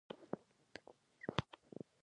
په پښتو کې جدول ته لښتليک وايي.